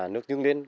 nước dưng lên